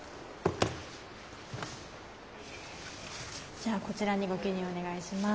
じゃあこちらにご記入お願いします。